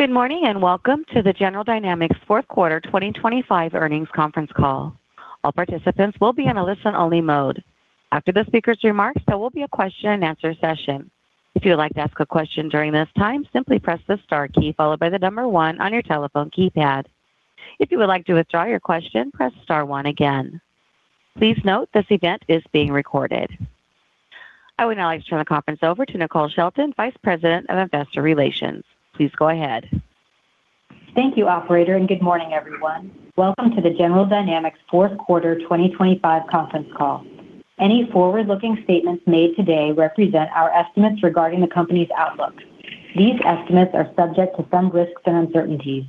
Good morning, and welcome to the General Dynamics fourth quarter 2025 earnings conference call. All participants will be in a listen-only mode. After the speaker's remarks, there will be a question-and-answer session. If you would like to ask a question during this time, simply press the star key followed by the number one on your telephone keypad. If you would like to withdraw your question, press star one again. Please note, this event is being recorded. I would now like to turn the conference over to Nicole Shelton, Vice President of Investor Relations. Please go ahead. Thank you, operator, and good morning, everyone. Welcome to the General Dynamics fourth quarter 2025 conference call. Any forward-looking statements made today represent our estimates regarding the company's outlook. These estimates are subject to some risks and uncertainties.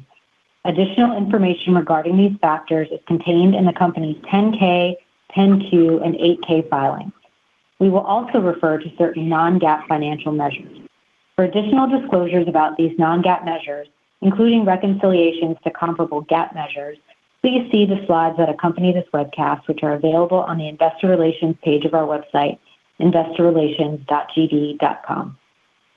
Additional information regarding these factors is contained in the company's 10-K, 10-Q, and 8-K filings. We will also refer to certain non-GAAP financial measures. For additional disclosures about these non-GAAP measures, including reconciliations to comparable GAAP measures, please see the slides that accompany this webcast, which are available on the investor relations page of our website, investorrelations.gd.com.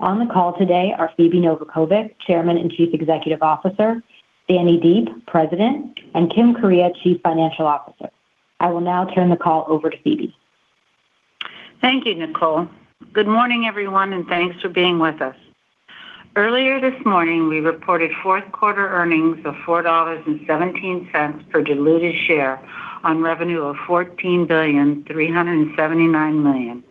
On the call today are Phebe Novakovic, Chairman and Chief Executive Officer, Danny Deep, President, and Kim Kuryea, Chief Financial Officer. I will now turn the call over to Phebe. Thank you, Nicole. Good morning, everyone, and thanks for being with us. Earlier this morning, we reported fourth quarter earnings of $4.17 per diluted share on revenue of $14.379 billion,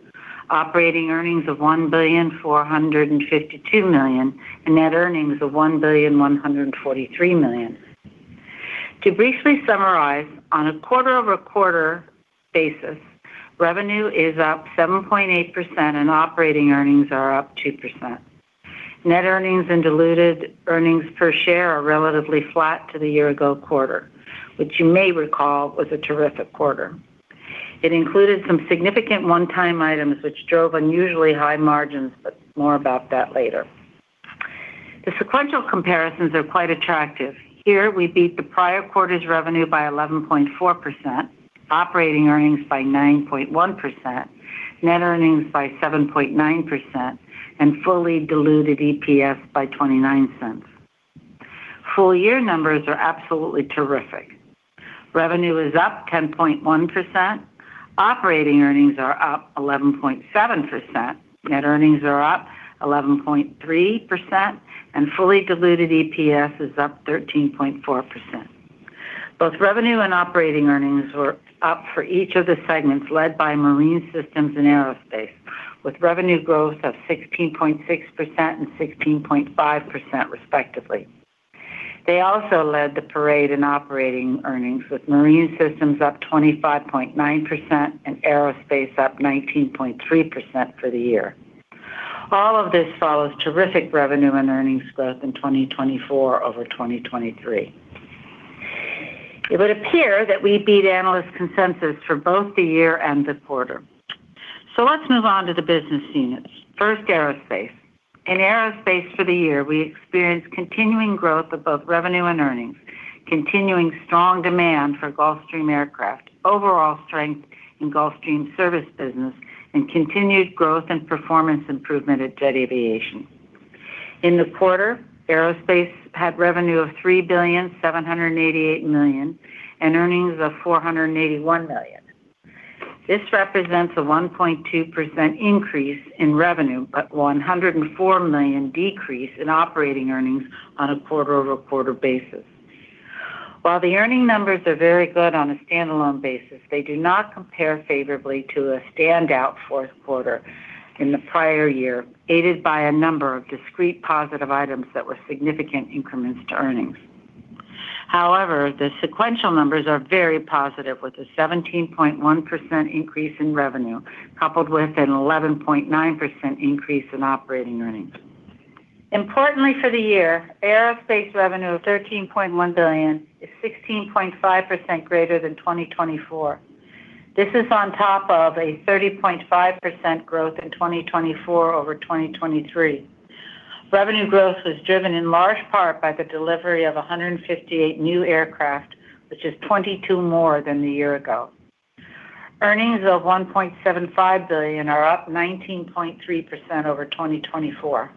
operating earnings of $1.452 billion, and net earnings of $1.143 billion. To briefly summarize, on a quarter-over-quarter basis, revenue is up 7.8% and operating earnings are up 2%. Net earnings and diluted earnings per share are relatively flat to the year-ago quarter, which you may recall was a terrific quarter. It included some significant one-time items, which drove unusually high margins, but more about that later. The sequential comparisons are quite attractive. Here, we beat the prior quarter's revenue by 11.4%, operating earnings by 9.1%, net earnings by 7.9%, and fully diluted EPS by $0.29. Full year numbers are absolutely terrific. Revenue is up 10.1%, operating earnings are up 11.7%, net earnings are up 11.3%, and fully diluted EPS is up 13.4%. Both revenue and operating earnings were up for each of the segments, led by Marine Systems and Aerospace, with revenue growth of 16.6% and 16.5%, respectively. They also led the parade in operating earnings, with Marine Systems up 25.9% and Aerospace up 19.3% for the year. All of this follows terrific revenue and earnings growth in 2024 over 2023. It would appear that we beat analyst consensus for both the year and the quarter. So let's move on to the business units. First, Aerospace. In Aerospace for the year, we experienced continuing growth of both revenue and earnings, continuing strong demand for Gulfstream aircraft, overall strength in Gulfstream service business, and continued growth and performance improvement at Jet Aviation. In the quarter, Aerospace had revenue of $3.788 billion and earnings of $481 million. This represents a 1.2% increase in revenue, but $104 million decrease in operating earnings on a quarter-over-quarter basis. While the earnings numbers are very good on a standalone basis, they do not compare favorably to a standout fourth quarter in the prior year, aided by a number of discrete positive items that were significant increments to earnings. However, the sequential numbers are very positive, with a 17.1% increase in revenue, coupled with an 11.9% increase in operating earnings. Importantly, for the year, Aerospace revenue of $13.1 billion is 16.5% greater than 2024. This is on top of a 30.5% growth in 2024 over 2023. Revenue growth was driven in large part by the delivery of 158 new aircraft, which is 22 more than the year ago. Earnings of $1.75 billion are up 19.3% over 2024.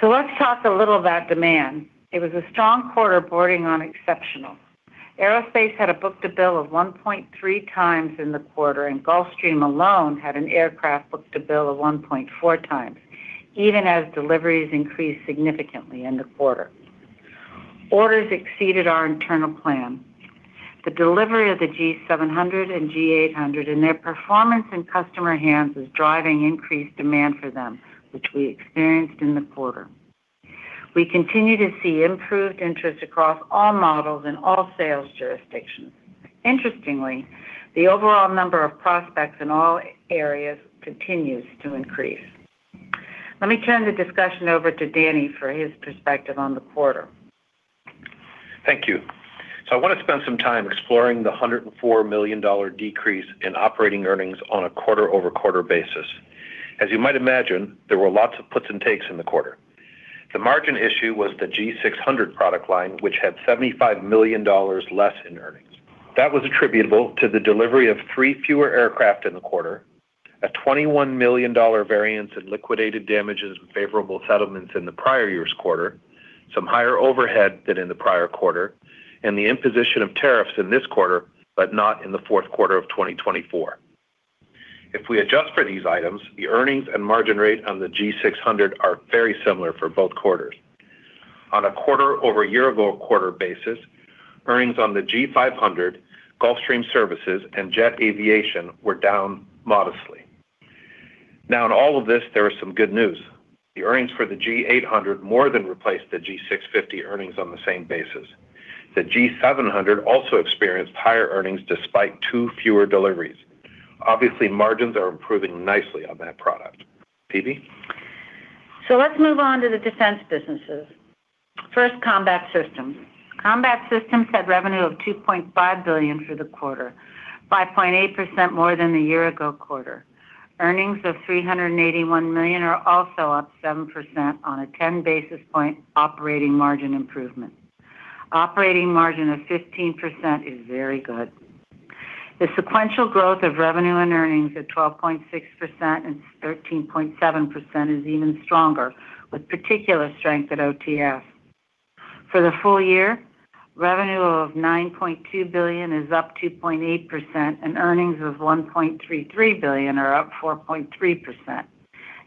So let's talk a little about demand. It was a strong quarter, bordering on exceptional. Aerospace had a book-to-bill of 1.3 times in the quarter, and Gulfstream alone had an aircraft book-to-bill of 1.4 times, even as deliveries increased significantly in the quarter. Orders exceeded our internal plan. The delivery of the G700 and G800 and their performance in customer hands is driving increased demand for them, which we experienced in the quarter. We continue to see improved interest across all models in all sales jurisdictions. Interestingly, the overall number of prospects in all areas continues to increase. Let me turn the discussion over to Danny for his perspective on the quarter. Thank you. So I want to spend some time exploring the $104 million decrease in operating earnings on a quarter-over-quarter basis. As you might imagine, there were lots of puts and takes in the quarter. The margin issue was the G600 product line, which had $75 million less in earnings. That was attributable to the delivery of 3 fewer aircraft in the quarter-... a $21 million variance in liquidated damages and favorable settlements in the prior year's quarter, some higher overhead than in the prior quarter, and the imposition of tariffs in this quarter, but not in the fourth quarter of 2024. If we adjust for these items, the earnings and margin rate on the G600 are very similar for both quarters. On a quarter-over-year-ago quarter basis, earnings on the G500, Gulfstream services, and Jet Aviation were down modestly. Now, in all of this, there are some good news. The earnings for the G800 more than replaced the G650 earnings on the same basis. The G700 also experienced higher earnings despite 2 fewer deliveries. Obviously, margins are improving nicely on that product. Phebe? So let's move on to the defense businesses. First, Combat Systems. Combat Systems had revenue of $2.5 billion for the quarter, 0.8% more than the year-ago quarter. Earnings of $381 million are also up 7% on a 10 basis point operating margin improvement. Operating margin of 15% is very good. The sequential growth of revenue and earnings at 12.6% and 13.7% is even stronger, with particular strength at OTS. For the full year, revenue of $9.2 billion is up 2.8%, and earnings of $1.33 billion are up 4.3%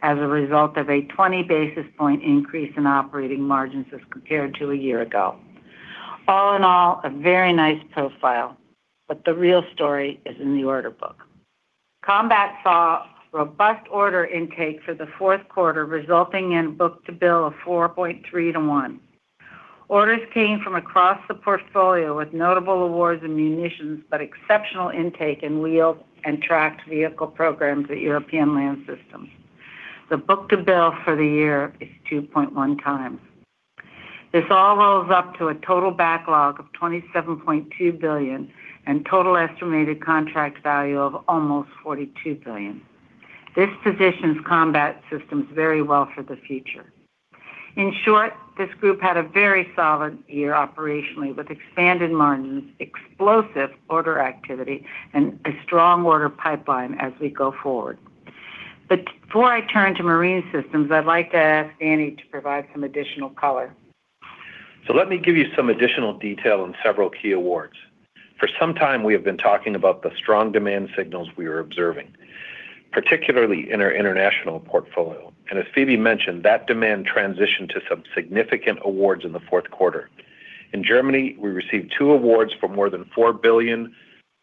as a result of a 20 basis point increase in operating margins as compared to a year ago. All in all, a very nice profile, but the real story is in the order book. Combat saw robust order intake for the fourth quarter, resulting in book-to-bill of 4.3 to 1. Orders came from across the portfolio, with notable awards in munitions, but exceptional intake in wheeled and tracked vehicle programs at European Land Systems. The book-to-bill for the year is 2.1 times. This all rolls up to a total backlog of $27.2 billion and total estimated contract value of almost $42 billion. This positions Combat Systems very well for the future. In short, this group had a very solid year operationally, with expanded margins, explosive order activity, and a strong order pipeline as we go forward. But before I turn to Marine Systems, I'd like to ask Danny to provide some additional color. Let me give you some additional detail on several key awards. For some time, we have been talking about the strong demand signals we are observing, particularly in our international portfolio, and as Phebe mentioned, that demand transitioned to some significant awards in the fourth quarter. In Germany, we received two awards for more than $4 billion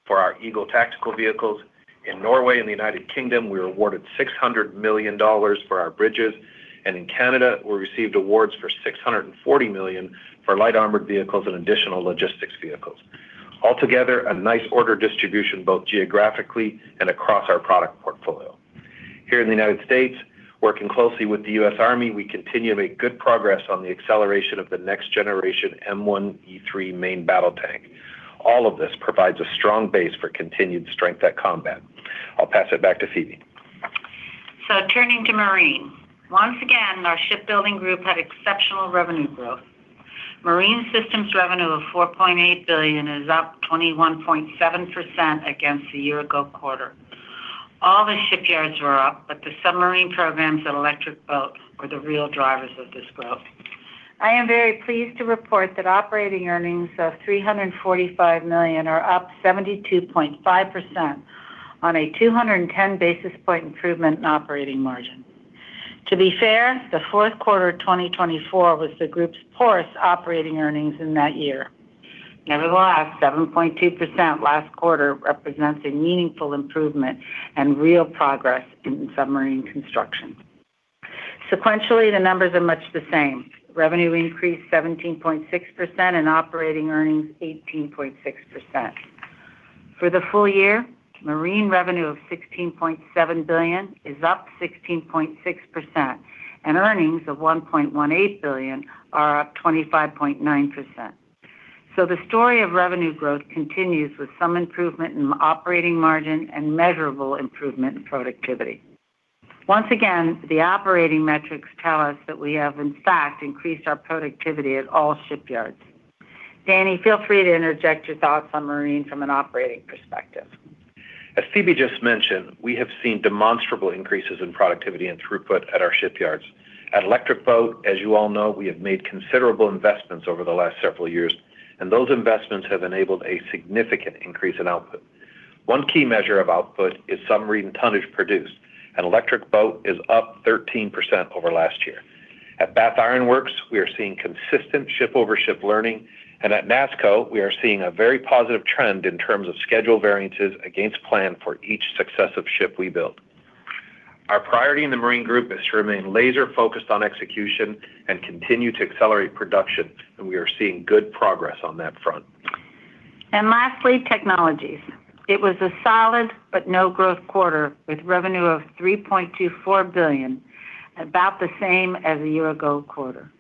for our Eagle tactical vehicles. In Norway and the United Kingdom, we were awarded $600 million for our bridges, and in Canada, we received awards for $640 million for Light Armored Vehicles and additional logistics vehicles. Altogether, a nice order distribution, both geographically and across our product portfolio. Here in the United States, working closely with the U.S. Army, we continue to make good progress on the acceleration of the next generation M1E3 main battle tank. All of this provides a strong base for continued strength at Combat. I'll pass it back to Phoebe. So turning to Marine. Once again, our shipbuilding group had exceptional revenue growth. Marine Systems revenue of $4.8 billion is up 21.7% against the year-ago quarter. All the shipyards were up, but the submarine programs at Electric Boat were the real drivers of this growth. I am very pleased to report that operating earnings of $345 million are up 72.5% on a 210 basis point improvement in operating margin. To be fair, the fourth quarter of 2024 was the group's poorest operating earnings in that year. Nevertheless, 7.2% last quarter represents a meaningful improvement and real progress in submarine construction. Sequentially, the numbers are much the same. Revenue increased 17.6% and operating earnings, 18.6%. For the full year, Marine revenue of $16.7 billion is up 16.6%, and earnings of $1.18 billion are up 25.9%. So the story of revenue growth continues with some improvement in operating margin and measurable improvement in productivity. Once again, the operating metrics tell us that we have, in fact, increased our productivity at all shipyards. Danny, feel free to interject your thoughts on Marine from an operating perspective. As Phebe just mentioned, we have seen demonstrable increases in productivity and throughput at our shipyards. At Electric Boat, as you all know, we have made considerable investments over the last several years, and those investments have enabled a significant increase in output. One key measure of output is submarine tonnage produced, and Electric Boat is up 13% over last year. At Bath Iron Works, we are seeing consistent ship-over-ship learning, and at NASSCO, we are seeing a very positive trend in terms of schedule variances against plan for each successive ship we build. Our priority in the Marine group is to remain laser-focused on execution and continue to accelerate production, and we are seeing good progress on that front. Lastly, Technologies. It was a solid but no-growth quarter, with revenue of $3.24 billion, about the same as the year-ago quarter.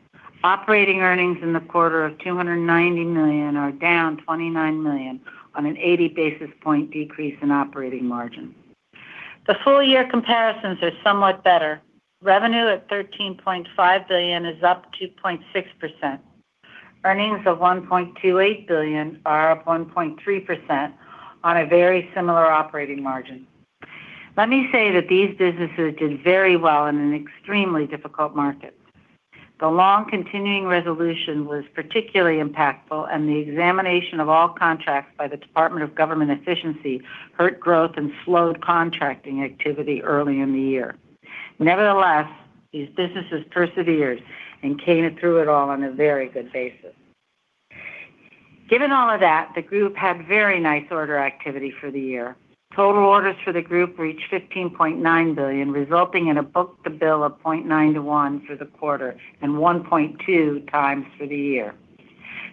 Operating earnings in the quarter of $290 million are down $29 million on an 80 basis point decrease in operating margin. The full-year comparisons are somewhat better. Revenue at $13.5 billion is up 2.6%. Earnings of $1.28 billion are up 1.3% on a very similar operating margin. Let me say that these businesses did very well in an extremely difficult market. The long continuing resolution was particularly impactful, and the examination of all contracts by the Department of Government Efficiency hurt growth and slowed contracting activity early in the year. Nevertheless, these businesses persevered and came through it all on a very good basis. Given all of that, the group had very nice order activity for the year. Total orders for the group reached $15.9 billion, resulting in a book-to-bill of 0.9 to 1 for the quarter and 1.2 times for the year.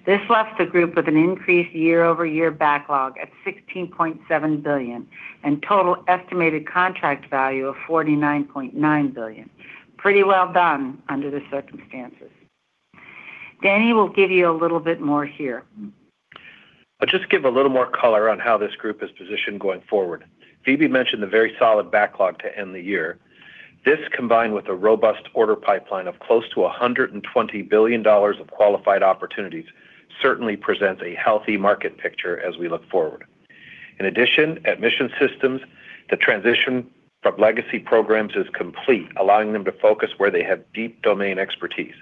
This left the group with an increased year-over-year backlog at $16.7 billion, and total estimated contract value of $49.9 billion. Pretty well done under the circumstances. Danny will give you a little bit more here. I'll just give a little more color on how this group is positioned going forward. Phebe mentioned the very solid backlog to end the year. This, combined with a robust order pipeline of close to $120 billion of qualified opportunities, certainly presents a healthy market picture as we look forward. In addition, at Mission Systems, the transition from legacy programs is complete, allowing them to focus where they have deep domain expertise.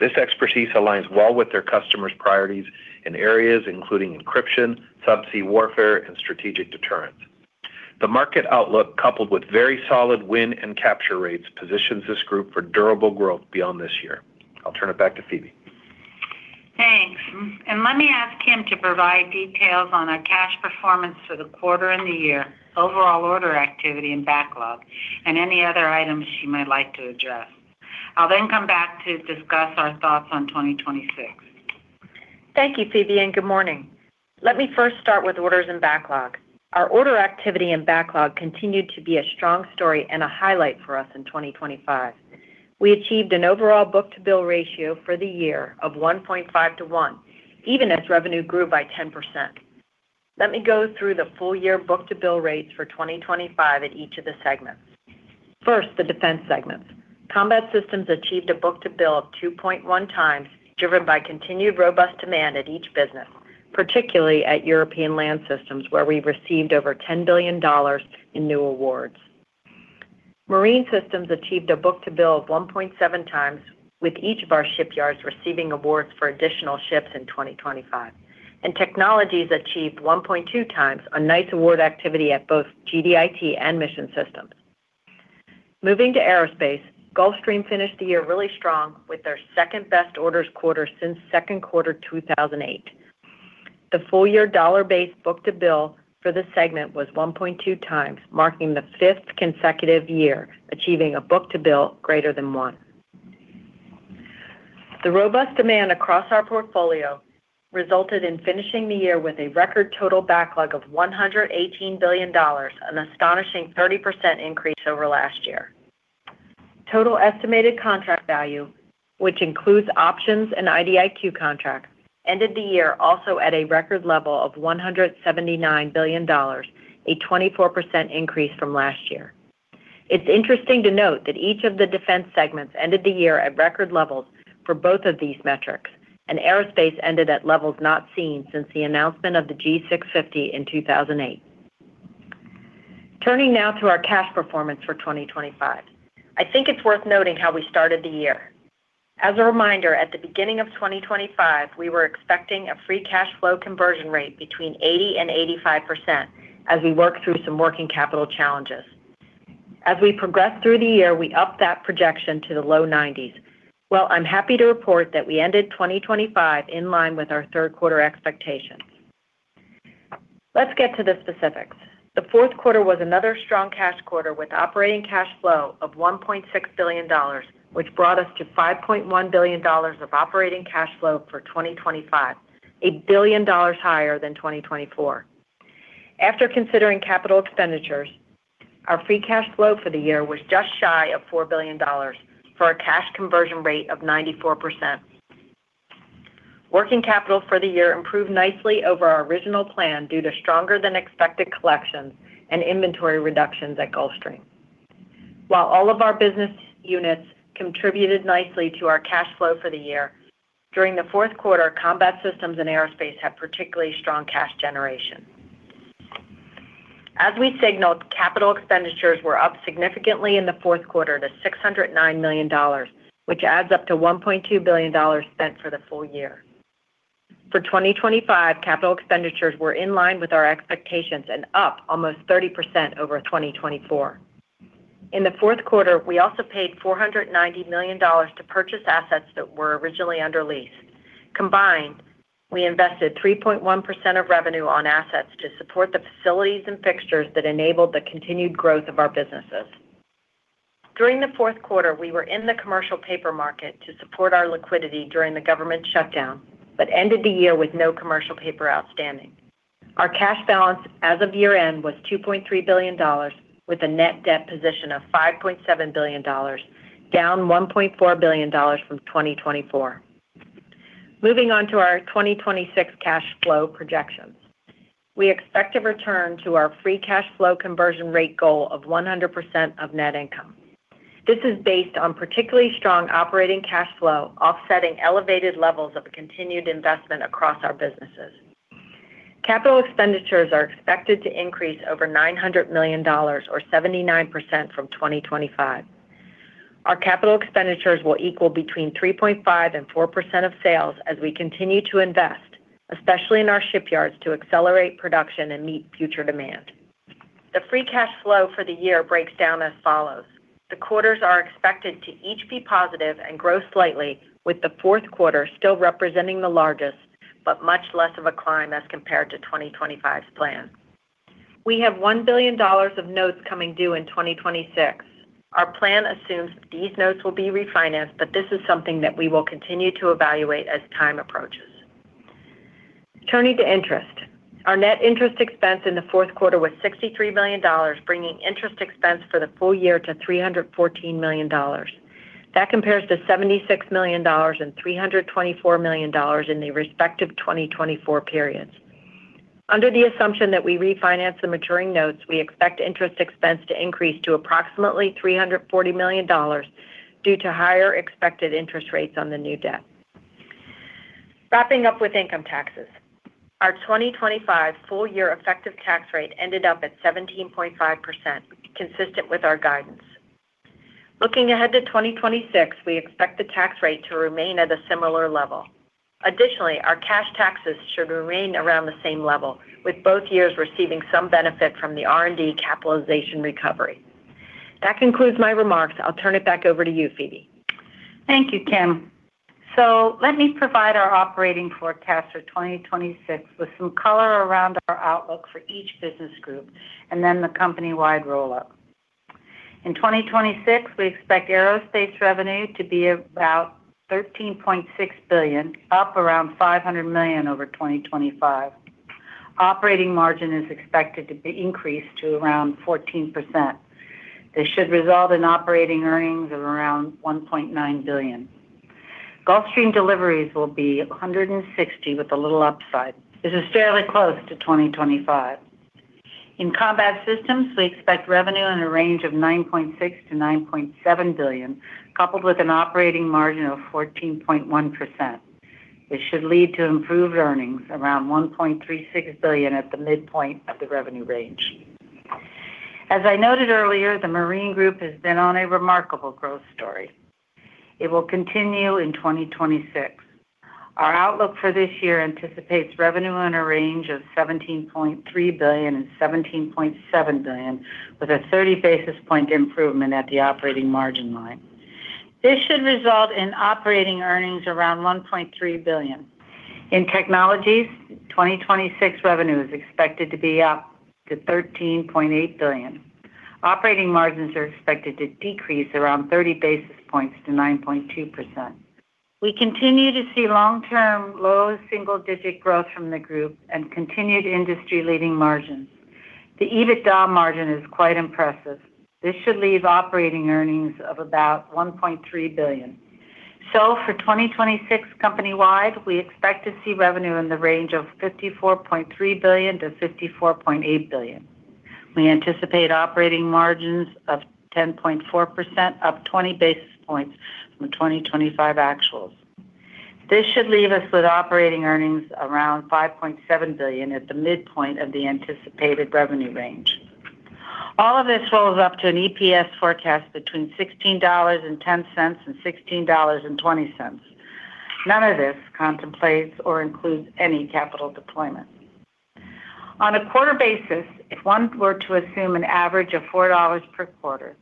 This expertise aligns well with their customers' priorities in areas including encryption, subsea warfare, and strategic deterrence. The market outlook, coupled with very solid win and capture rates, positions this group for durable growth beyond this year. I'll turn it back to Phebe. Thanks. And let me ask Kim to provide details on our cash performance for the quarter and the year, overall order activity and backlog, and any other items she might like to address. I'll then come back to discuss our thoughts on 2026. Thank you, Phebe, and good morning. Let me first start with orders and backlog. Our order activity and backlog continued to be a strong story and a highlight for us in 2025. We achieved an overall book-to-bill ratio for the year of 1.5 to 1, even as revenue grew by 10%. Let me go through the full year book-to-bill rates for 2025 at each of the segments. First, the defense segments. Combat Systems achieved a book-to-bill of 2.1 times, driven by continued robust demand at each business, particularly at European Land Systems, where we received over $10 billion in new awards. Marine Systems achieved a book-to-bill of 1.7 times, with each of our shipyards receiving awards for additional ships in 2025. Technologies achieved 1.2 times on nice award activity at both GDIT and Mission Systems. Moving to Aerospace, Gulfstream finished the year really strong with their second-best orders quarter since second quarter 2008. The full-year dollar-based book-to-bill for this segment was 1.2 times, marking the 5th consecutive year achieving a book-to-bill greater than one. The robust demand across our portfolio resulted in finishing the year with a record total backlog of $118 billion, an astonishing 30% increase over last year. Total estimated contract value, which includes options and IDIQ contracts, ended the year also at a record level of $179 billion, a 24% increase from last year. It's interesting to note that each of the defense segments ended the year at record levels for both of these metrics, and Aerospace ended at levels not seen since the announcement of the G650 in 2008. Turning now to our cash performance for 2025. I think it's worth noting how we started the year. As a reminder, at the beginning of 2025, we were expecting a free cash flow conversion rate between 80% and 85% as we worked through some working capital challenges. As we progressed through the year, we upped that projection to the low 90s. Well, I'm happy to report that we ended 2025 in line with our third quarter expectations. Let's get to the specifics. The fourth quarter was another strong cash quarter, with operating cash flow of $1.6 billion, which brought us to $5.1 billion of operating cash flow for 2025, $1 billion higher than 2024. After considering capital expenditures, our free cash flow for the year was just shy of $4 billion, for a cash conversion rate of 94%. Working capital for the year improved nicely over our original plan due to stronger-than-expected collections and inventory reductions at Gulfstream. While all of our business units contributed nicely to our cash flow for the year, during the fourth quarter, Combat Systems and Aerospace had particularly strong cash generation. As we signaled, capital expenditures were up significantly in the fourth quarter to $609 million, which adds up to $1.2 billion spent for the full year. For 2025, capital expenditures were in line with our expectations and up almost 30% over 2024. In the fourth quarter, we also paid $490 million to purchase assets that were originally under lease. Combined, we invested 3.1% of revenue on assets to support the facilities and fixtures that enabled the continued growth of our businesses. During the fourth quarter, we were in the commercial paper market to support our liquidity during the government shutdown, but ended the year with no commercial paper outstanding. Our cash balance as of year-end was $2.3 billion, with a net debt position of $5.7 billion, down $1.4 billion from 2024. Moving on to our 2026 cash flow projections. We expect to return to our free cash flow conversion rate goal of 100% of net income.... This is based on particularly strong operating cash flow, offsetting elevated levels of continued investment across our businesses. Capital expenditures are expected to increase over $900 million or 79% from 2025. Our capital expenditures will equal between 3.5% and 4% of sales as we continue to invest, especially in our shipyards, to accelerate production and meet future demand. The free cash flow for the year breaks down as follows: The quarters are expected to each be positive and grow slightly, with the fourth quarter still representing the largest, but much less of a climb as compared to 2025's plan. We have $1 billion of notes coming due in 2026. Our plan assumes these notes will be refinanced, but this is something that we will continue to evaluate as time approaches. Turning to interest. Our net interest expense in the fourth quarter was $63 million, bringing interest expense for the full year to $314 million. That compares to $76 million and $324 million in the respective 2024 periods. Under the assumption that we refinance the maturing notes, we expect interest expense to increase to approximately $340 million due to higher expected interest rates on the new debt. Wrapping up with income taxes. Our 2025 full year effective tax rate ended up at 17.5%, consistent with our guidance. Looking ahead to 2026, we expect the tax rate to remain at a similar level. Additionally, our cash taxes should remain around the same level, with both years receiving some benefit from the R&D capitalization recovery. That concludes my remarks. I'll turn it back over to you, Phoebe. Thank you, Kim. So let me provide our operating forecast for 2026 with some color around our outlook for each business group and then the company-wide roll-up. In 2026, we expect Aerospace revenue to be about $13.6 billion, up around $500 million over 2025. Operating margin is expected to be increased to around 14%. This should result in operating earnings of around $1.9 billion. Gulfstream deliveries will be 160 with a little upside. This is fairly close to 2025. In Combat Systems, we expect revenue in a range of $9.6 billion-$9.7 billion, coupled with an operating margin of 14.1%. This should lead to improved earnings around $1.36 billion at the midpoint of the revenue range. As I noted earlier, the Marine Group has been on a remarkable growth story. It will continue in 2026. Our outlook for this year anticipates revenue in a range of $17.3 billion-$17.7 billion, with a 30 basis point improvement at the operating margin line. This should result in operating earnings around $1.3 billion. In technologies, 2026 revenue is expected to be up to $13.8 billion. Operating margins are expected to decrease around 30 basis points to 9.2%. We continue to see long-term, low single-digit growth from the group and continued industry-leading margins. The EBITDA margin is quite impressive. This should leave operating earnings of about $1.3 billion. So for 2026 company-wide, we expect to see revenue in the range of $54.3 billion-$54.8 billion. We anticipate operating margins of 10.4%, up 20 basis points from 2025 actuals. This should leave us with operating earnings around $5.7 billion at the midpoint of the anticipated revenue range. All of this rolls up to an EPS forecast between $16.10 and $16.20. None of this contemplates or includes any capital deployment. On a quarter basis, if one were to assume an average of $4 per quarter,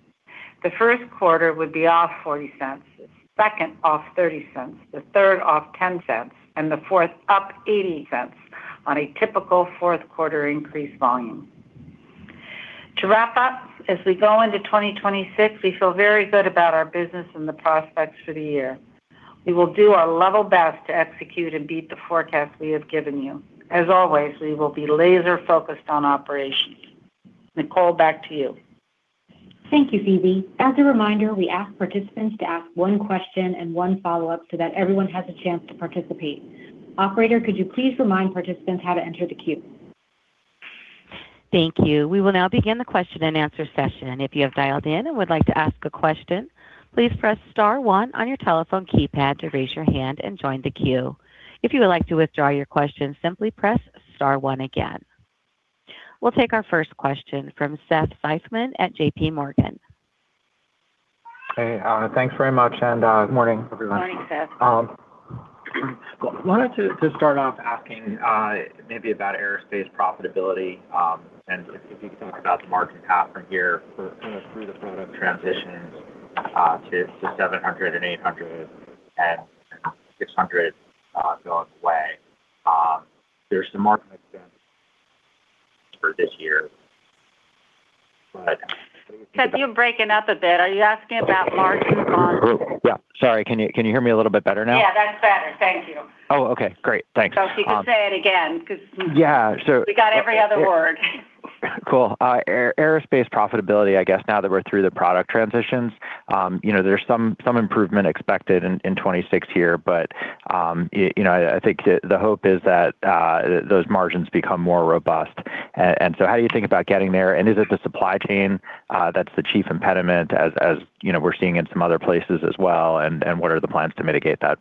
the first quarter would be off $0.40, the second off $0.30, the third off $0.10, and the fourth up $0.80 on a typical fourth quarter increased volume. To wrap up, as we go into 2026, we feel very good about our business and the prospects for the year. We will do our level best to execute and beat the forecast we have given you. As always, we will be laser-focused on operations. Nicole, back to you. Thank you, Phoebe. As a reminder, we ask participants to ask one question and one follow-up so that everyone has a chance to participate. Operator, could you please remind participants how to enter the queue? Thank you. We will now begin the question-and-answer session. If you have dialed in and would like to ask a question, please press star one on your telephone keypad to raise your hand and join the queue. If you would like to withdraw your question, simply press star one again. We'll take our first question from Seth Seifman at JP Morgan. Hey, thanks very much. Good morning, everyone. Morning, Seth. Wanted to start off asking maybe about Aerospace profitability, and if you could talk about the margin path from here for kind of through the product transitions to 700 and 800 and 600 going away. There's some market expense for this year, but- Seth, you're breaking up a bit. Are you asking about margin on? Yeah. Sorry. Can you, can you hear me a little bit better now? Yeah, that's better. Thank you. Oh, okay. Great. Thanks. If you could say it again, because- Yeah. So- We got every other word. Cool. Aerospace profitability, I guess now that we're through the product transitions, you know, there's some improvement expected in 2026 here, but you know, I think the hope is that those margins become more robust. And so how do you think about getting there? And is it the supply chain that's the chief impediment as you know, we're seeing in some other places as well, and what are the plans to mitigate that?...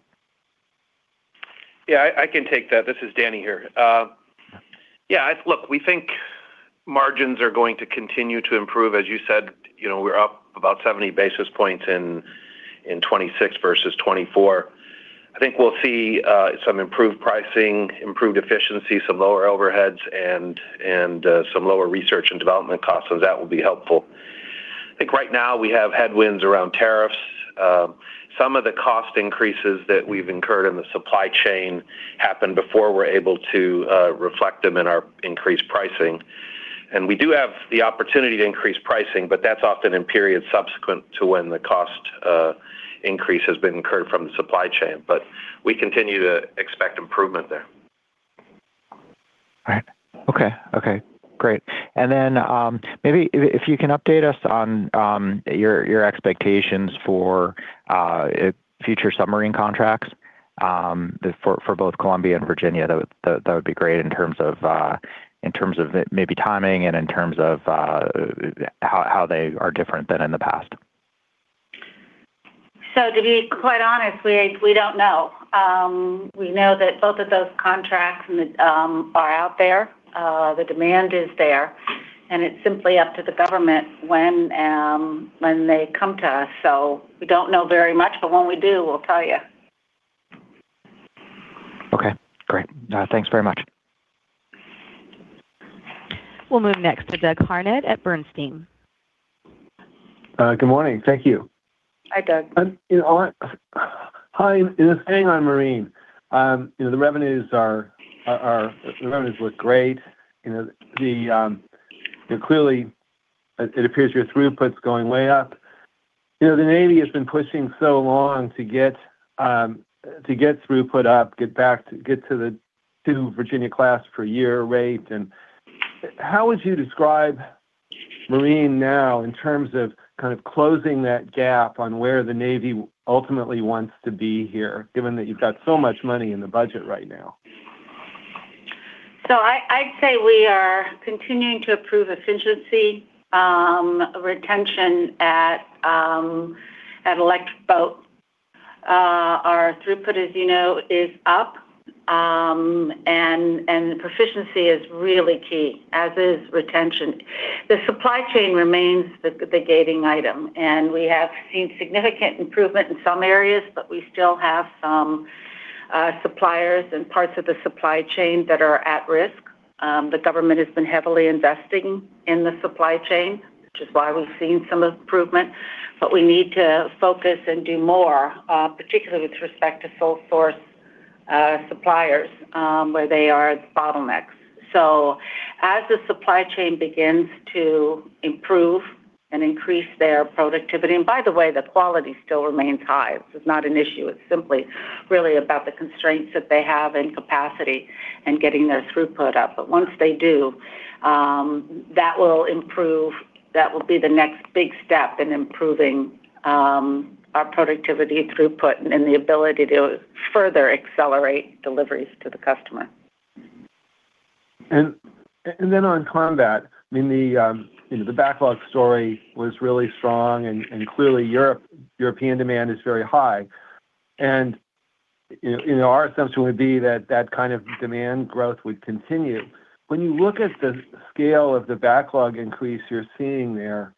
Yeah, I, I can take that. This is Danny here. Yeah, look, we think margins are going to continue to improve. As you said, you know, we're up about 70 basis points in 2026 versus 2024. I think we'll see some improved pricing, improved efficiency, some lower overheads, and some lower research and development costs, so that will be helpful. I think right now we have headwinds around tariffs. Some of the cost increases that we've incurred in the supply chain happened before we're able to reflect them in our increased pricing. And we do have the opportunity to increase pricing, but that's often in periods subsequent to when the cost increase has been incurred from the supply chain. But we continue to expect improvement there. All right. Okay. Okay, great. And then, maybe if you can update us on your expectations for future submarine contracts for both Columbia and Virginia, that would be great in terms of maybe timing and in terms of how they are different than in the past. So, to be quite honest, we don't know. We know that both of those contracts are out there, the demand is there, and it's simply up to the government when they come to us. So we don't know very much, but when we do, we'll tell you. Okay, great. Thanks very much. We'll move next to Doug Harned at Bernstein. Good morning. Thank you. Hi, Doug. You know, hi. Hang on, Marine. You know, the revenues look great. You know, clearly, it appears your throughput's going way up. You know, the Navy has been pushing so long to get throughput up, get to the 2 Virginia class per year rate and... How would you describe Marine now in terms of kind of closing that gap on where the Navy ultimately wants to be here, given that you've got so much money in the budget right now? So I'd say we are continuing to improve efficiency, retention at Electric Boat. Our throughput, as you know, is up, and proficiency is really key, as is retention. The supply chain remains the gating item, and we have seen significant improvement in some areas, but we still have some suppliers and parts of the supply chain that are at risk. The government has been heavily investing in the supply chain, which is why we've seen some improvement. But we need to focus and do more, particularly with respect to sole source suppliers, where they are bottlenecks. So as the supply chain begins to improve and increase their productivity, and by the way, the quality still remains high. So it's not an issue. It's simply really about the constraints that they have in capacity and getting their throughput up. But once they do, that will improve. That will be the next big step in improving our productivity throughput and the ability to further accelerate deliveries to the customer. Then on combat, I mean, you know, the backlog story was really strong, and clearly, European demand is very high. You know, our assumption would be that that kind of demand growth would continue. When you look at the scale of the backlog increase you're seeing there,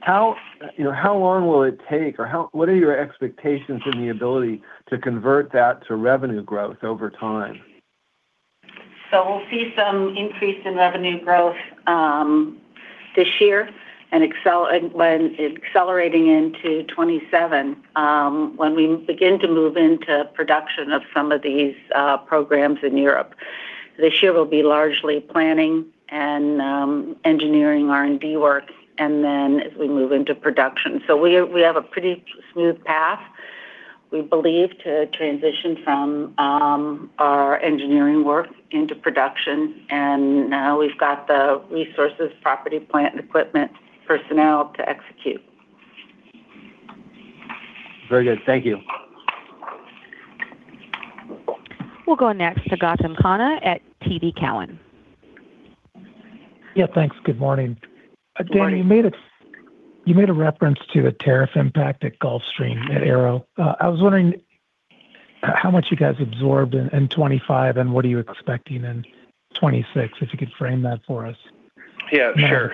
how, you know, how long will it take or how, what are your expectations in the ability to convert that to revenue growth over time? So we'll see some increase in revenue growth, this year and when accelerating into 2027, when we begin to move into production of some of these programs in Europe. This year will be largely planning and engineering R&D work, and then as we move into production. So we are, we have a pretty smooth path, we believe, to transition from our engineering work into production, and now we've got the resources, property, plant, and equipment, personnel to execute. Very good. Thank you. We'll go next to Gautam Khanna at TD Cowen. Yeah, thanks. Good morning. Good morning. Danny, you made a reference to a tariff impact at Gulfstream, at Arrow. I was wondering, how much you guys absorbed in 2025, and what are you expecting in 2026? If you could frame that for us. Yeah, sure.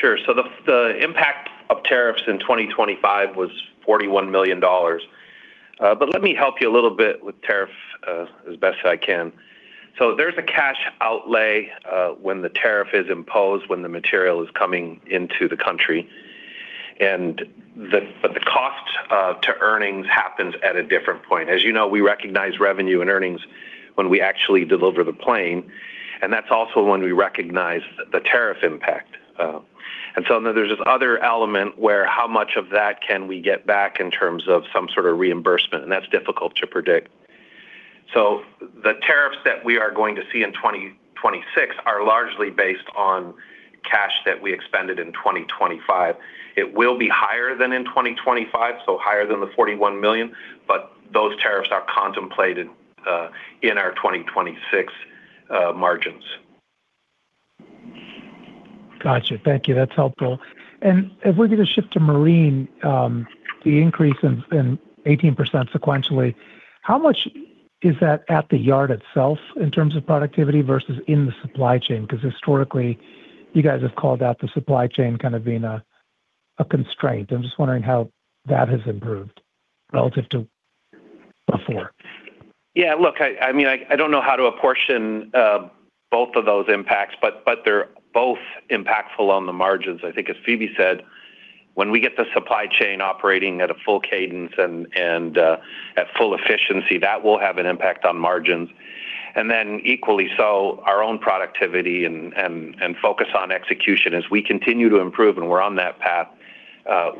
Sure. So the impact of tariffs in 2025 was $41 million. But let me help you a little bit with tariff, as best as I can. So there's a cash outlay, when the tariff is imposed, when the material is coming into the country, and, but the cost to earnings happens at a different point. As you know, we recognize revenue and earnings when we actually deliver the plane, and that's also when we recognize the tariff impact. And so then there's this other element where, how much of that can we get back in terms of some sort of reimbursement? And that's difficult to predict. So the tariffs that we are going to see in 2026 are largely based on cash that we expended in 2025. It will be higher than in 2025, so higher than the $41 million, but those tariffs are contemplated in our 2026 margins.... Gotcha. Thank you. That's helpful. And if we're going to shift to marine, the increase in 18% sequentially, how much is that at the yard itself in terms of productivity versus in the supply chain? Because historically, you guys have called out the supply chain kind of being a constraint. I'm just wondering how that has improved relative to before. Yeah, look, I mean, I don't know how to apportion both of those impacts, but they're both impactful on the margins. I think, as Phebe said, when we get the supply chain operating at a full cadence and at full efficiency, that will have an impact on margins. And then equally so, our own productivity and focus on execution. As we continue to improve, and we're on that path,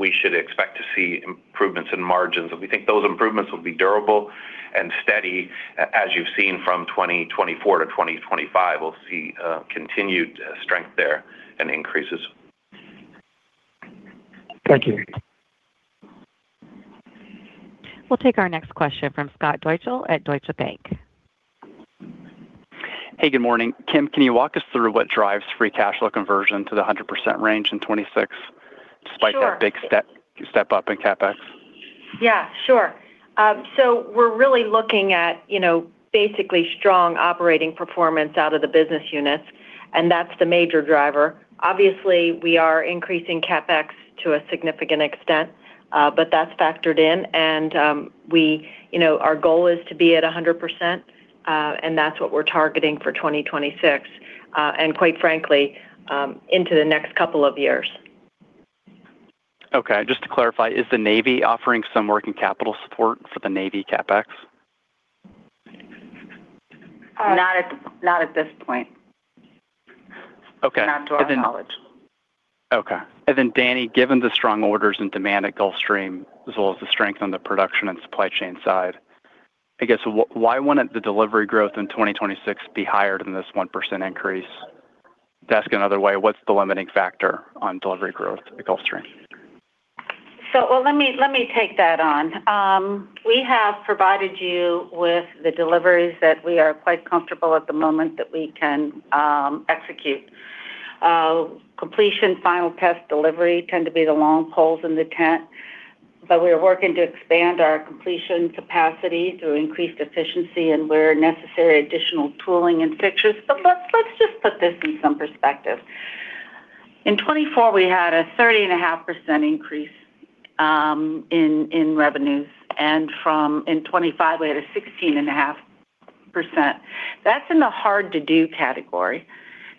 we should expect to see improvements in margins. And we think those improvements will be durable and steady, as you've seen from 2024 to 2025. We'll see continued strength there and increases. Thank you. We'll take our next question from Scott Deuschle at Deutsche Bank. Hey, good morning. Kim, can you walk us through what drives free cash flow conversion to the 100% range in 2026? Sure. despite that big step up in CapEx? Yeah, sure. So we're really looking at, you know, basically strong operating performance out of the business units, and that's the major driver. Obviously, we are increasing CapEx to a significant extent, but that's factored in. And, we you know, our goal is to be at 100%, and that's what we're targeting for 2026, and quite frankly, into the next couple of years. Okay. Just to clarify, is the Navy offering some working capital support for the Navy CapEx? Not at this point. Okay. Not to our knowledge. Okay. And then, Danny, given the strong orders and demand at Gulfstream, as well as the strength on the production and supply chain side, I guess, why wouldn't the delivery growth in 2026 be higher than this 1% increase? To ask another way, what's the limiting factor on delivery growth at Gulfstream? Well, let me, let me take that on. We have provided you with the deliveries that we are quite comfortable at the moment that we can execute. Completion, final test, delivery tend to be the long poles in the tent, but we're working to expand our completion capacity through increased efficiency and where necessary, additional tooling and fixtures. But let's, let's just put this in some perspective. In 2024, we had a 30.5% increase in revenues, and in 2025, we had a 16.5%. That's in the hard-to-do category.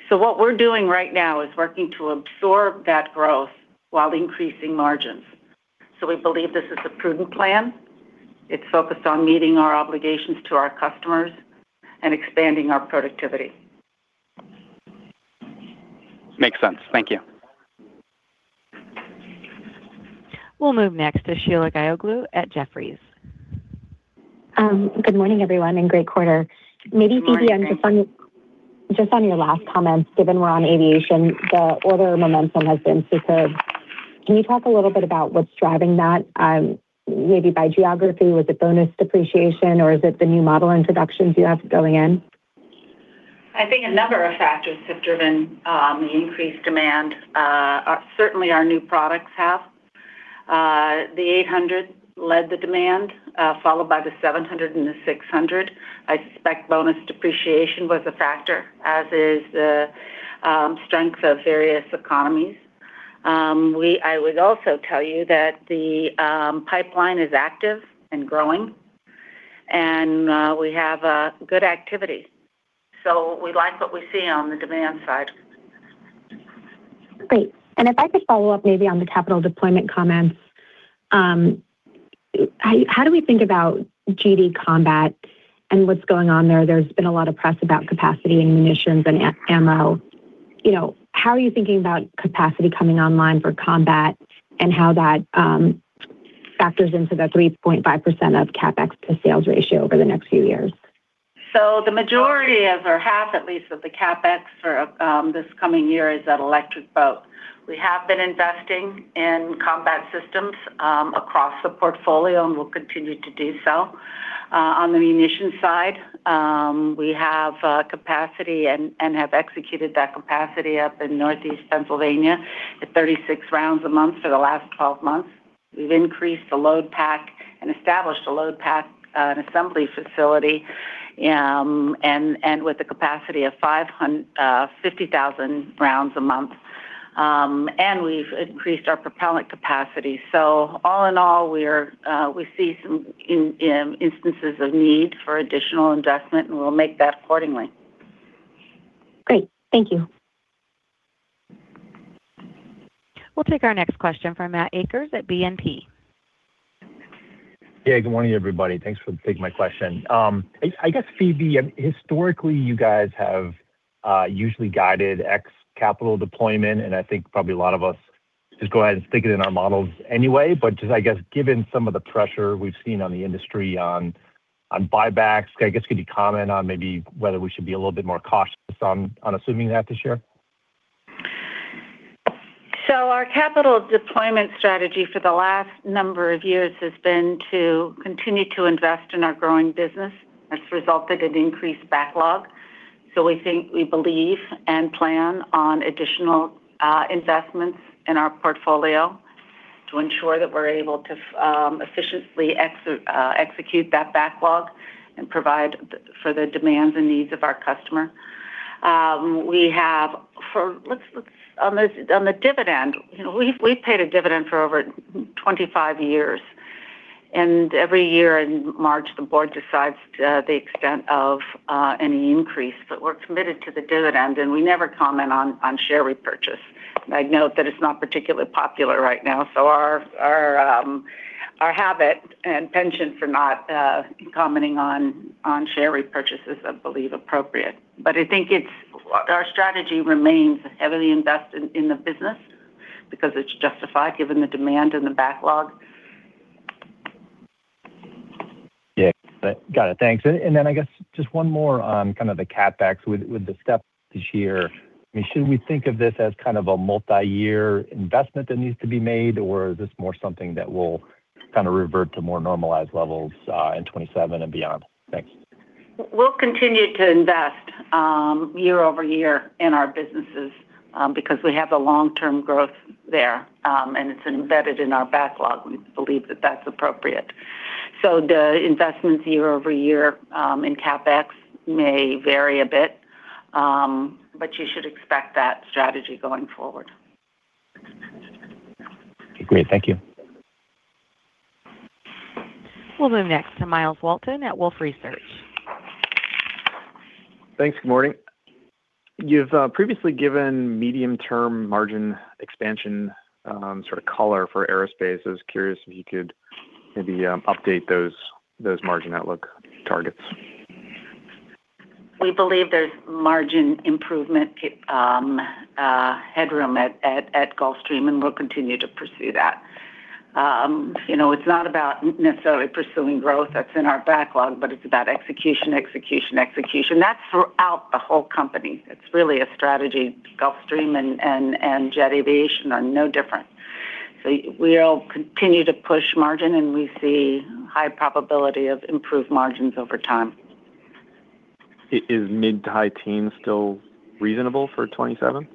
So what we're doing right now is working to absorb that growth while increasing margins. So we believe this is a prudent plan. It's focused on meeting our obligations to our customers and expanding our productivity. Makes sense. Thank you. We'll move next to Sheila Kahyaoglu at Jefferies. Good morning, everyone, and great quarter. Good morning. Maybe, Phebe, just on, just on your last comments, given we're on aviation, the order momentum has been superb. Can you talk a little bit about what's driving that, maybe by geography? Was it bonus depreciation, or is it the new model introductions you have going in? I think a number of factors have driven the increased demand. Certainly, our new products have. The 800 led the demand, followed by the 700 and the 600. I suspect bonus depreciation was a factor, as is the strength of various economies. I would also tell you that the pipeline is active and growing, and we have a good activity. So we like what we see on the demand side. Great. If I could follow up maybe on the capital deployment comments. How do we think about GD combat and what's going on there? There's been a lot of press about capacity and munitions and ammo. You know, how are you thinking about capacity coming online for combat and how that factors into the 3.5% of CapEx to sales ratio over the next few years? So the majority as or half at least of the CapEx for this coming year is at Electric Boat. We have been investing in Combat Systems across the portfolio and will continue to do so. On the munitions side, we have capacity and have executed that capacity up in Northeast Pennsylvania at 36 rounds a month for the last 12 months. We've increased the load pack and established a load pack and assembly facility and with the capacity of 50,000 rounds a month, and we've increased our propellant capacity. So all in all, we see some instances of need for additional investment, and we'll make that accordingly. Great. Thank you. We'll take our next question from Matt Akers at BNP. Yeah, good morning, everybody. Thanks for taking my question. I guess, Phoebe, historically, you guys have usually guided ex capital deployment, and I think probably a lot of us just go ahead and stick it in our models anyway. But just, I guess, given some of the pressure we've seen on the industry on buybacks, I guess, could you comment on maybe whether we should be a little bit more cautious on assuming that this year?... So our capital deployment strategy for the last number of years has been to continue to invest in our growing business. That's resulted in increased backlog. So we think, we believe, and plan on additional investments in our portfolio to ensure that we're able to efficiently execute that backlog and provide for the demands and needs of our customer. We have on this, on the dividend, you know, we've paid a dividend for over 25 years, and every year in March, the board decides the extent of any increase. But we're committed to the dividend, and we never comment on share repurchase. I'd note that it's not particularly popular right now, so our our habit and penchant for not commenting on share repurchases, I believe, appropriate. But I think it's our strategy remains heavily invested in the business because it's justified, given the demand and the backlog. Yeah. Got it. Thanks. And then I guess just one more on kind of the CapEx. With the step this year, I mean, should we think of this as kind of a multiyear investment that needs to be made, or is this more something that will kind of revert to more normalized levels in 2027 and beyond? Thanks. We'll continue to invest, year over year in our businesses, because we have the long-term growth there, and it's embedded in our backlog. We believe that that's appropriate. So the investments year over year, in CapEx may vary a bit, but you should expect that strategy going forward. Great. Thank you. We'll move next to Myles Walton at Wolfe Research. Thanks. Good morning. You've previously given medium-term margin expansion, sort of color for Aerospace. I was curious if you could maybe update those, those margin outlook targets. We believe there's margin improvement, headroom at Gulfstream, and we'll continue to pursue that. You know, it's not about necessarily pursuing growth that's in our backlog, but it's about execution, execution, execution. That's throughout the whole company. It's really a strategy. Gulfstream and Jet Aviation are no different. So we'll continue to push margin, and we see high probability of improved margins over time. Is mid to high teens still reasonable for 27?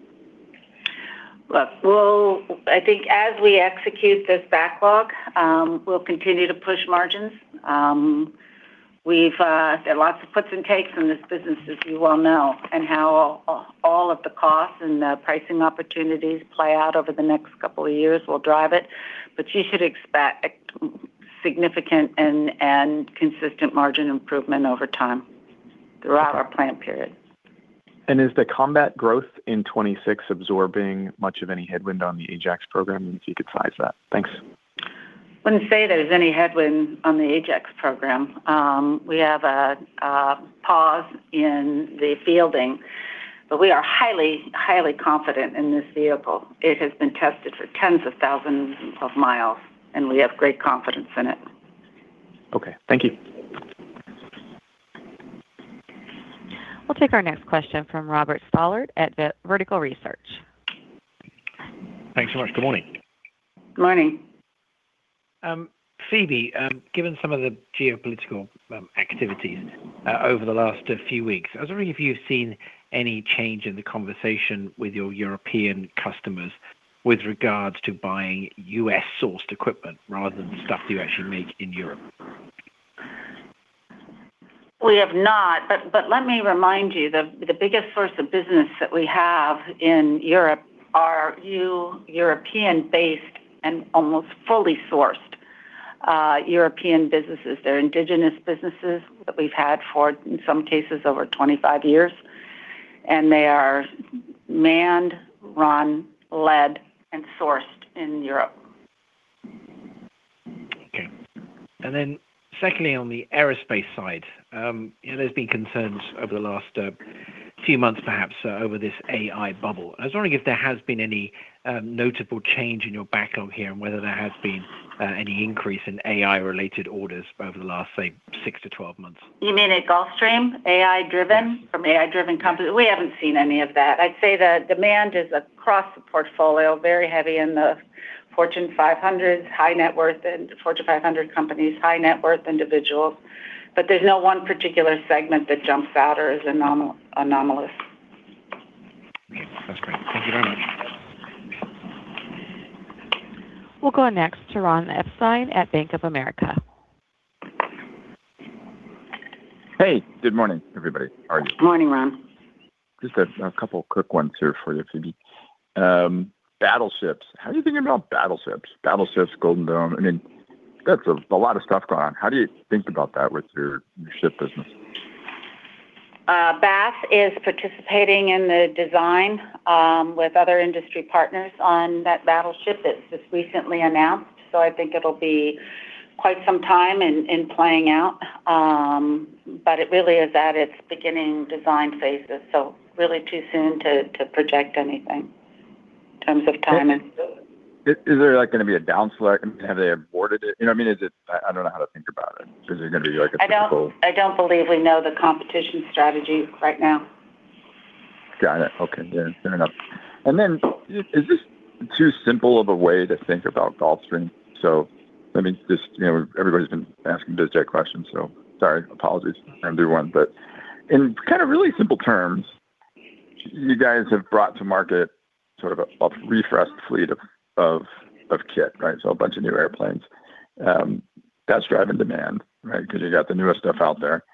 Look, well, I think as we execute this backlog, we'll continue to push margins. We've, there are lots of puts and takes in this business, as you well know, and how all of the costs and the pricing opportunities play out over the next couple of years will drive it. But you should expect significant and consistent margin improvement over time throughout our plan period. Is the combat growth in 2026 absorbing much of any headwind on the Ajax program? If you could size that. Thanks. Wouldn't say there's any headwind on the Ajax program. We have a pause in the fielding, but we are highly, highly confident in this vehicle. It has been tested for tens of thousands of miles, and we have great confidence in it. Okay, thank you. We'll take our next question from Robert Stallard at Vertical Research. Thanks so much. Good morning. Good morning. Phoebe, given some of the geopolitical activities over the last few weeks, I was wondering if you've seen any change in the conversation with your European customers with regards to buying U.S.-sourced equipment rather than stuff you actually make in Europe? We have not, but let me remind you, the biggest source of business that we have in Europe are European-based and almost fully sourced, European businesses. They're indigenous businesses that we've had for, in some cases, over 25 years, and they are manned, run, led, and sourced in Europe. Okay. And then secondly, on the Aerospace side, you know, there's been concerns over the last few months, perhaps, over this AI bubble. I was wondering if there has been any notable change in your backlog here and whether there has been any increase in AI-related orders over the last, say, six to 12 months? You mean at Gulfstream, AI-driven? Yes. From AI-driven companies. We haven't seen any of that. I'd say the demand is across the portfolio, very heavy in the Fortune 500, high net worth and Fortune 500 companies, high net worth individuals, but there's no one particular segment that jumps out or is anomalous. Okay. That's great. Thank you very much. We'll go next to Ron Epstein at Bank of America. Hey, good morning, everybody. Good morning, Ron. Just a couple quick ones here for you, Phoebe. Battleships. How are you thinking about battleships? Battleships, Golden Dome. I mean, that's a lot of stuff going on. How do you think about that with your ship business? Bath is participating in the design with other industry partners on that battleship. It's just recently announced, so I think it'll be quite some time in playing out. But it really is at its beginning design phases, so really too soon to project anything in terms of timing.... Is there like gonna be a down select? Have they aborted it? You know what I mean, is it, I don't know how to think about it. Is it gonna be like a typical- I don't believe we know the competition strategy right now. Got it. Okay. Yeah, fair enough. And then, is this too simple of a way to think about Gulfstream? So let me just, you know, everybody's been asking biz jet questions, so sorry, apologies everyone. But in kind of really simple terms, you guys have brought to market sort of a refreshed fleet of kit, right? So a bunch of new airplanes. That's driving demand, right? Because you got the newest stuff out there.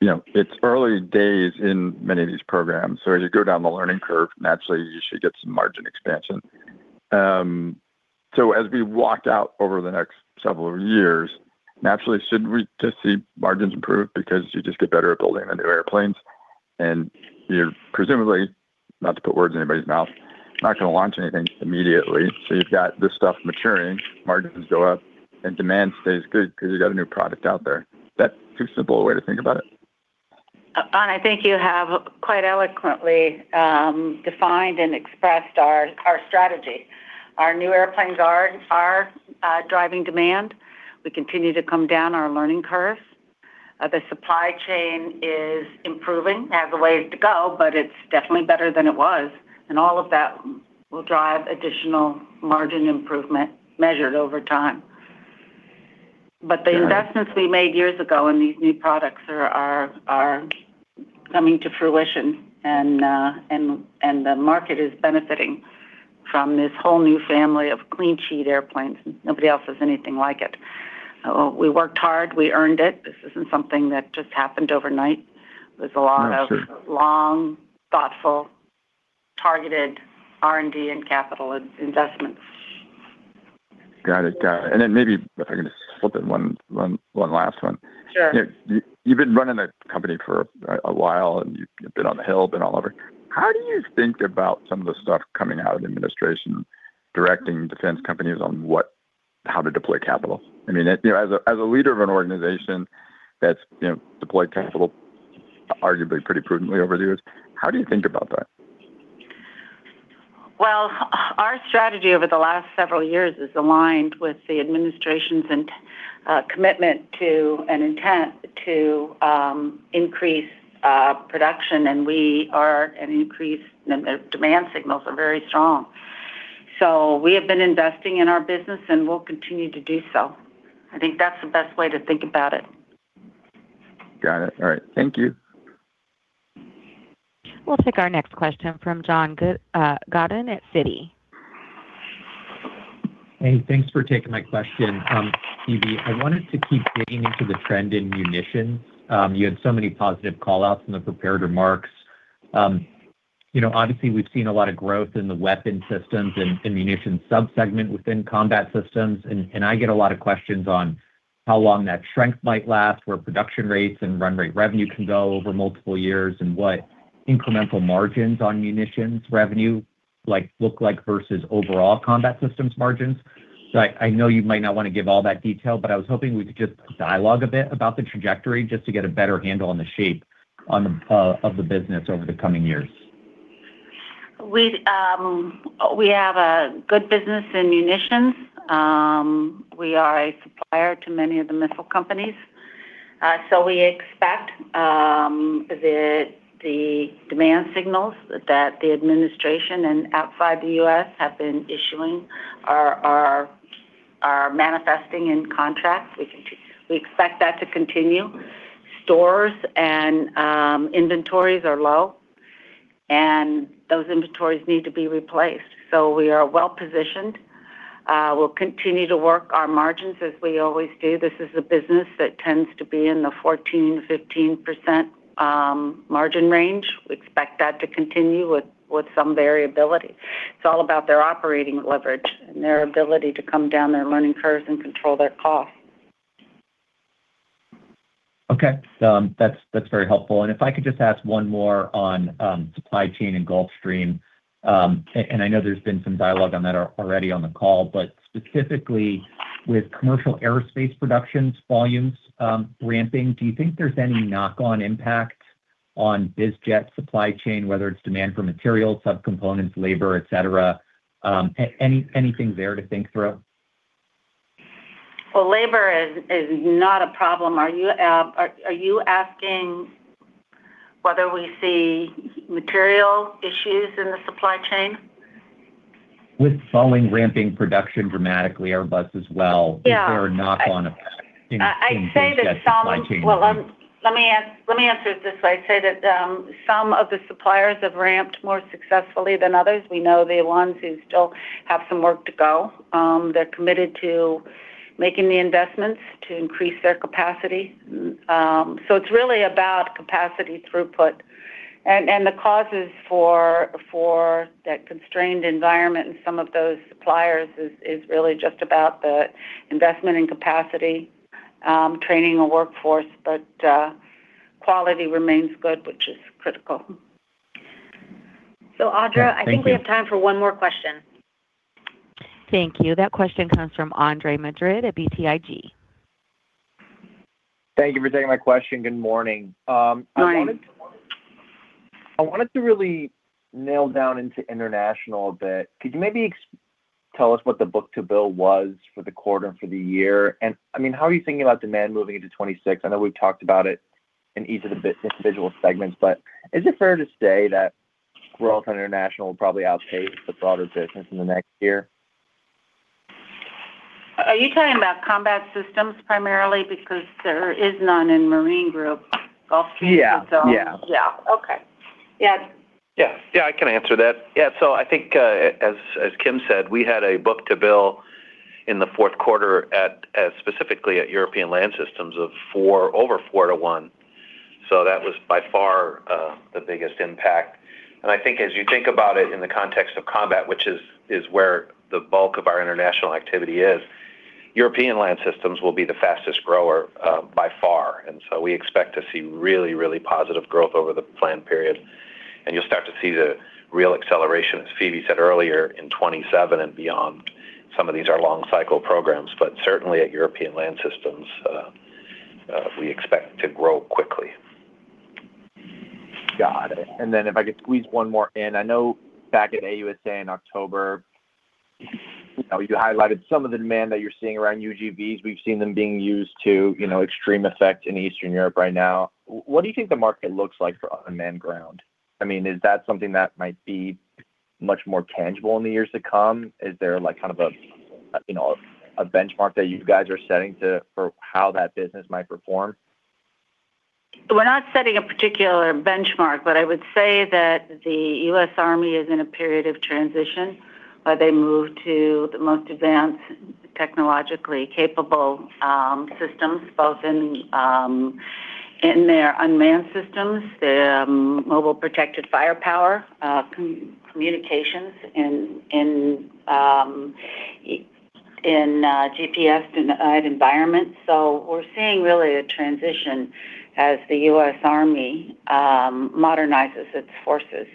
You know, it's early days in many of these programs, so as you go down the learning curve, naturally you should get some margin expansion. So as we walked out over the next several years, naturally, should we just see margins improve because you just get better at building the new airplanes, and you're presumably, not to put words in anybody's mouth, not gonna launch anything immediately. So you've got this stuff maturing, margins go up, and demand stays good because you've got a new product out there. That too simple a way to think about it? I think you have quite eloquently defined and expressed our strategy. Our new airplanes are driving demand. We continue to come down our learning curve. The supply chain is improving, has a ways to go, but it's definitely better than it was, and all of that will drive additional margin improvement measured over time. Sure. But the investments we made years ago in these new products are coming to fruition, and the market is benefiting from this whole new family of clean sheet airplanes. Nobody else has anything like it. We worked hard, we earned it. This isn't something that just happened overnight. No, sure. There's a lot of long, thoughtful, targeted R&D and capital investments. Got it. Got it. And then maybe if I can just slip in one last one. Sure. You've been running a company for a while, and you've been on the Hill, been all over. How do you think about some of the stuff coming out of the administration, directing defense companies on what, how to deploy capital? I mean, as a, as a leader of an organization that's, you know, deployed capital, arguably pretty prudently over the years, how do you think about that? Well, our strategy over the last several years is aligned with the administration's commitment and intent to increase production, and the demand signals are very strong. So we have been investing in our business, and we'll continue to do so. I think that's the best way to think about it. Got it. All right. Thank you. We'll take our next question from Jason Gursky at Citi. Hey, thanks for taking my question. Phoebe, I wanted to keep digging into the trend in munitions. You had so many positive call-outs in the prepared remarks. You know, obviously, we've seen a lot of growth in the weapon systems and ammunition subsegment within Combat Systems, and I get a lot of questions on how long that strength might last, where production rates and run rate revenue can go over multiple years, and what incremental margins on munitions revenue like, look like versus overall Combat Systems margins. So I, I know you might not want to give all that detail, but I was hoping we could just dialogue a bit about the trajectory just to get a better handle on the shape on the, of the business over the coming years. We'd we have a good business in munitions. We are a supplier to many of the missile companies. So we expect that the demand signals that the administration and outside the US have been issuing are manifesting in contracts. We expect that to continue. Stores and inventories are low, and those inventories need to be replaced. So we are well positioned. We'll continue to work our margins as we always do. This is a business that tends to be in the 14%-15% margin range. We expect that to continue with some variability. It's all about their operating leverage and their ability to come down their learning curves and control their costs. Okay, that's, that's very helpful. And if I could just ask one more on supply chain and Gulfstream, and I know there's been some dialogue on that already on the call, but specifically with commercial Aerospace productions, volumes, ramping, do you think there's any knock-on impact on biz jet supply chain, whether it's demand for materials, subcomponents, labor, et cetera? Anything there to think through? Well, labor is not a problem. Are you asking whether we see material issues in the supply chain? With Boeing ramping production dramatically, Airbus as well- Yeah. Is there a knock-on effect in- I'd say that some- -supply chain? Well, let me answer it this way. I'd say that some of the suppliers have ramped more successfully than others. We know the ones who still have some work to go. They're committed to making the investments to increase their capacity. So it's really about capacity throughput. And the causes for that constrained environment in some of those suppliers is really just about the investment in capacity, training a workforce, but quality remains good, which is critical. So Audra- Yeah, thank you. I think we have time for one more question. Thank you. That question comes from Andre Madrid at BTIG.... Thank you for taking my question. Good morning. I wanted- Morning. I wanted to really nail down into international a bit. Could you maybe tell us what the book-to-bill was for the quarter and for the year? And, I mean, how are you thinking about demand moving into 2026? I know we've talked about it in each of the business individual segments, but is it fair to say that international growth will probably outpace the broader business in the next year? Are you talking about Combat Systems primarily? Because there is none in Marine Systems, Gulfstream, so- Yeah. Yeah. Yeah. Okay. Yeah. Yeah. Yeah, I can answer that. Yeah, so I think, as, as Kim said, we had a book-to-bill in the fourth quarter at, specifically at European Land Systems of 4, over 4 to 1. So that was by far the biggest impact. And I think as you think about it in the context of combat, which is where the bulk of our international activity is, European Land Systems will be the fastest grower, by far. And so we expect to see really, really positive growth over the plan period, and you'll start to see the real acceleration, as Phoebe said earlier, in 2027 and beyond. Some of these are long cycle programs, but certainly at European Land Systems, we expect to grow quickly. Got it. And then if I could squeeze one more in. I know back at AUSA in October, you highlighted some of the demand that you're seeing around UGVs. We've seen them being used to, you know, extreme effect in Eastern Europe right now. What do you think the market looks like for unmanned ground? I mean, is that something that might be much more tangible in the years to come? Is there, like, kind of a, you know, a benchmark that you guys are setting to, for how that business might perform? We're not setting a particular benchmark, but I would say that the US Army is in a period of transition, where they move to the most advanced, technologically capable, systems, both in their unmanned systems, their Mobile Protected Firepower, communications, in GPS-denied environments. So we're seeing really a transition as the US Army modernizes its forces.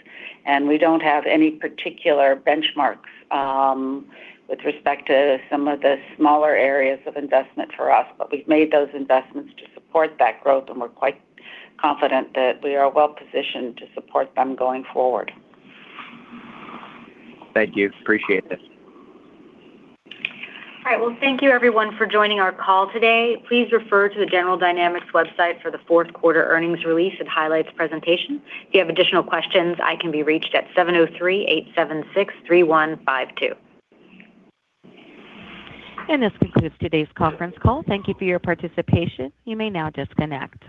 And we don't have any particular benchmarks, with respect to some of the smaller areas of investment for us. But we've made those investments to support that growth, and we're quite confident that we are well-positioned to support them going forward. Thank you. Appreciate this. All right. Well, thank you everyone for joining our call today. Please refer to the General Dynamics website for the fourth quarter earnings release and highlights presentation. If you have additional questions, I can be reached at 703-876-3152. This concludes today's conference call. Thank you for your participation. You may now disconnect.